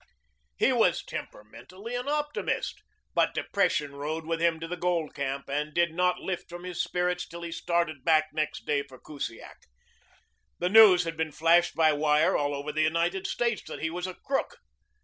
He was temperamentally an optimist, but depression rode with him to the gold camp and did not lift from his spirits till he started back next day for Kusiak. The news had been flashed by wire all over the United States that he was a crook.